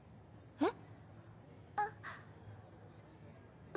えっ！